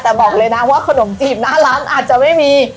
แต่บอกเลยนะว่าขนมจีบหน้าร้านอาจจะไม่มี